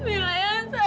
mila yang salah